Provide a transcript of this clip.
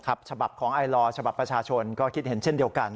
ฉบับของไอลอร์ฉบับประชาชนก็คิดเห็นเช่นเดียวกัน